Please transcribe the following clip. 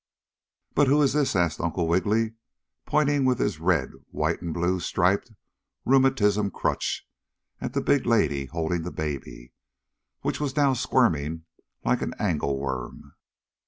"But who is this?" asked Uncle Wiggily, pointing with his red, white and blue striped rheumatism crutch at the big lady holding the baby, which was now squirming like an angle worm.